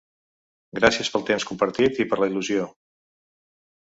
Gràcies pel temps compartit i per la il·lusió.